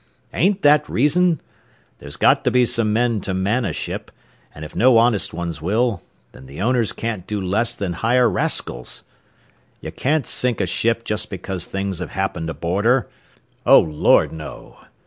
Ain't that reason? There's got to be some men to man a ship, an' if no honest ones will, then the owners can't do less than hire raskils. Ye can't sink a ship just because things have happened aboard her. Oh, Lord, no.